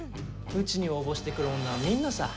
うちに応募してくる女はみんなさ。